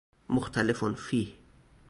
مختلف فیه